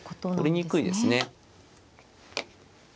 取りにくいですね。